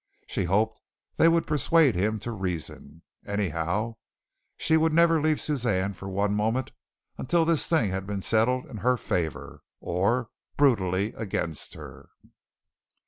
She hoped they would persuade him to reason. Anyhow, she would never leave Suzanne for one moment until this thing had been settled in her favor, or brutally against her.